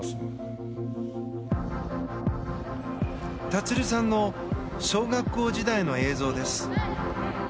立さんの小学校時代の映像です。